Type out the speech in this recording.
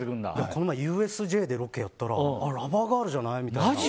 この前、ＵＳＪでロケやったらラバーガールじゃない？みたいな。